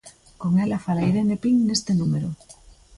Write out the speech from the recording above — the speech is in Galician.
Con ela fala Irene Pin neste número.